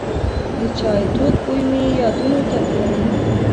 د چای تود بوی مې یادونو ته بیایي.